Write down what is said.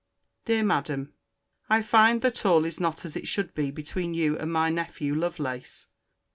DEAR MADAM, I find that all is not as it should be between you and my nephew Lovelace.